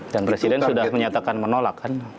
presiden sudah menyatakan menolak kan